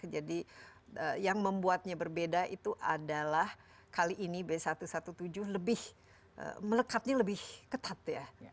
jadi yang membuatnya berbeda itu adalah kali ini b satu ratus tujuh belas melekatnya lebih ketat